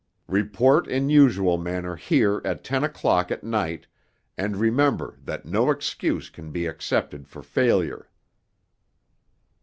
Report in usual manner here at ten o'clock at night; and remember that no excuse can be accepted for failure.